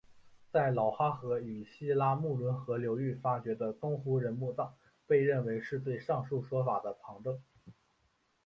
在老哈河与西拉木伦河流域发掘的东胡人墓葬被认为是对上述说法的旁证。